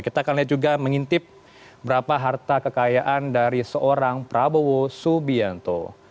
kita akan lihat juga mengintip berapa harta kekayaan dari seorang prabowo subianto